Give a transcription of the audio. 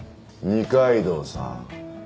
二階堂さん。